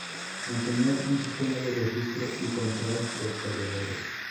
Mantener un sistema de registro y control de proveedores.